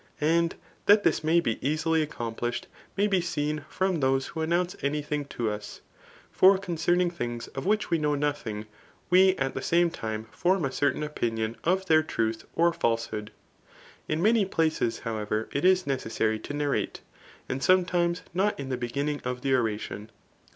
And that this may be easily accomplished may be seen from those who announce any thing to us ; for concerning things of which we know nothing, we at the same time form a certain opinion [of their truth or false^ hood.] In many places, however, it is necessary to nar rate, and sometimes not in the beghming of the oration.